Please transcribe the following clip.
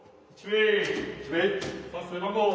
１名。